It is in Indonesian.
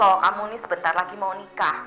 kalo kamu ini sebentar lagi mau nikah